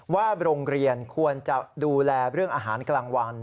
ว่าโรงเรียนควรจะดูแลเรื่องอาหารกลางวัน